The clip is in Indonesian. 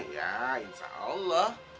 ya insya allah